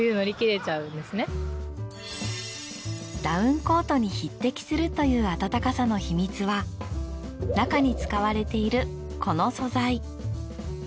ダウンコートに匹敵するという暖かさの秘密は中に使われているこの素材。